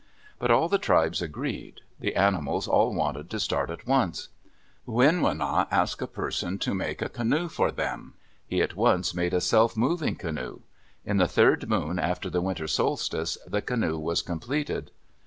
But all the tribes agreed. The animals all wanted to start at once. Winwina asked a person to make a canoe for them. He at once made a self moving canoe. In the third moon after the winter solstice the canoe was completed.